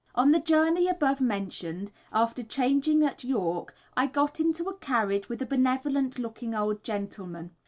On the journey above mentioned, after changing at York, I got into a carriage with a benevolent looking old gentleman.